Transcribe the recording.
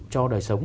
cho đời sống